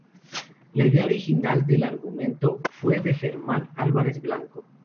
La idea original del argumento fue de Germán Álvarez Blanco.